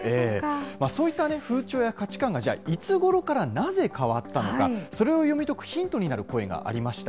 そういった風潮や価値観が、じゃあ、いつごろから、なぜ変わったのか、それを読み解くヒントになる声がありました。